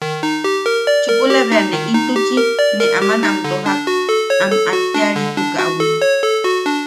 Chukula bea ne intuchi ne aman am tojak am atteʼaritukaʼawi.